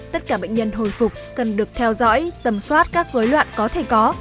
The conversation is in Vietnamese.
tất cả bệnh nhân hồi phục cần được theo dõi tầm soát các dối loạn có thể có